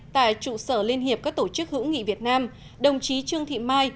tại trụ sở liên hiệp các tổ chức hữu nghị việt nam đồng chí trương thị mai